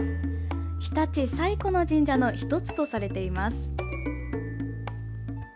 日立最古の神社の１つとされています。